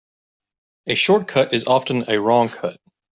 A short cut is often a wrong cut.